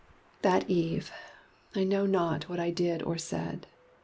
That eve, I know not what I did or said.